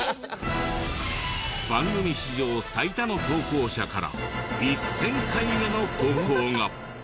番組史上最多の投稿者から１０００回目の投稿が！